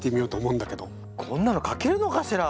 こんなの描けるのかしら。